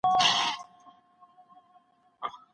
سردار اکبرخان د خپلواکۍ لپاره کلک هوډ درلود.